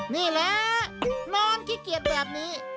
นี่แหละนอนขี้เกียจแบบนี้